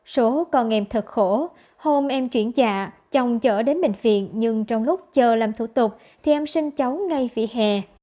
số con em thật khổ hôm em chuyển trạ chồng chở đến bệnh viện nhưng trong lúc chờ làm thủ tục thì em sinh cháu ngay phía hè